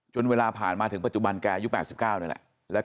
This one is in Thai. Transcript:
เวลาผ่านมาถึงปัจจุบันแกอายุ๘๙นี่แหละ